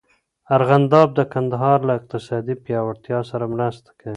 ارغنداب د کندهار له اقتصادي پیاوړتیا سره مرسته کوي.